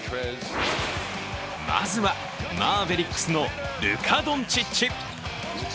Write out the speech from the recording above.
まずは、マーベリックスのルカ・ドンチッチ。